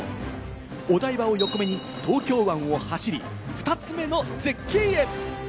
お台場を横目に東京湾を走り、２つ目の絶景へ。